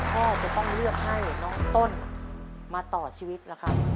พ่อจะต้องเลือกให้น้องต้นมาต่อชีวิตล่ะครับ